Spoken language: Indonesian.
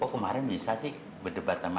oh kemarin bisa sih berdebat sama